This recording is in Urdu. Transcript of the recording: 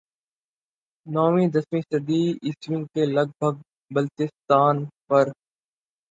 نویں دسویں صدی عیسوی کے لگ بھگ بلتستان پر